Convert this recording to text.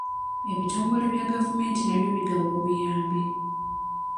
Ebitongole bya gavumenti nabyo bigaba obuyambi.